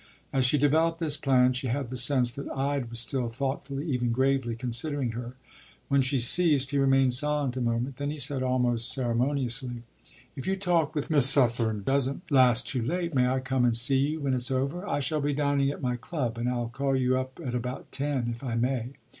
” As she developed this plan, she had the sense that Ide was still thoughtfully, even gravely, considering her. When she ceased, he remained silent a moment; then he said almost ceremoniously: “If your talk with Miss Suffern doesn’t last too late, may I come and see you when it’s over? I shall be dining at my club, and I’ll call you up at about ten, if I may.